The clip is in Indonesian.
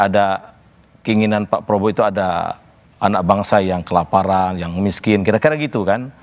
ada keinginan pak prabowo itu ada anak bangsa yang kelaparan yang miskin kira kira gitu kan